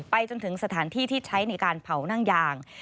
จนถึงสถานที่ที่ใช้ในการเผานั่งยาง